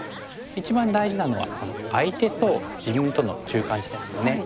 一番大事なのはこの相手と自分との中間地点ですよね。